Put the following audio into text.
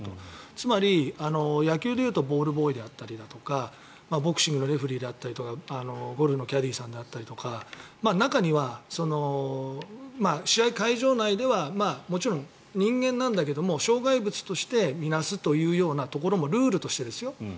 つまり、野球でいうとボールボーイであったりとかボクシングのレフェリーであるとかゴルフのキャディーさんであるとか中には、会場内ではもちろん人間なんだけれども障害物として見なすというところもルールとしてですよ。